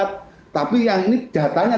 tapi yang ini datanya